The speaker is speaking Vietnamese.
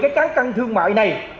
các căn thương mại này